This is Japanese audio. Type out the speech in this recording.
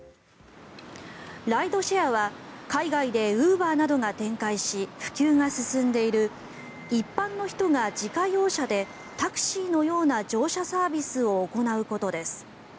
ライドシェアは海外でウーバーなどが展開し普及が進んでいる一般の人が自家用車でタクシーのような乗車サービスを行うことです。